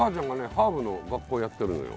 ハーブの学校やってるのよ。